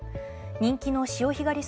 人気の潮干狩り